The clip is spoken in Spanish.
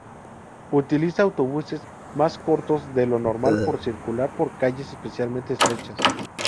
Utiliza autobuses más cortos de lo normal por circular por calles especialmente estrechas.